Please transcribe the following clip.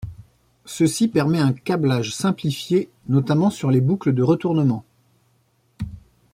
Ceci permet un câblage simplifié notamment sur les boucles de retournement.